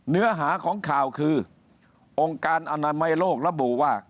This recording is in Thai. เนื้อหาของข่าวคือองค์การอนามัยโลกระบุว่า